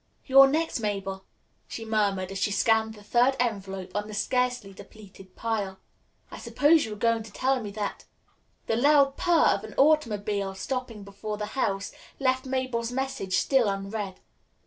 "You're next, Mabel," she murmured as she scanned the third envelope on the scarcely depleted pile. "I suppose you are going to tell me that " The loud purr of an automobile stopping before the house left Mabel's message still unread.